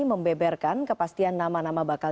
membeberkan kepastian nama nama bakal